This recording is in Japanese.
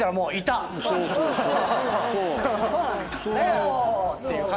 あ！っていう感じ。